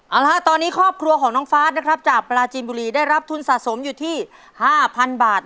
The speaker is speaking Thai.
เอาละฮะตอนนี้ครอบครัวของน้องฟ้านะครับจากปลาจีนบุรีได้รับทุนสะสมอยู่ที่๕๐๐๐บาท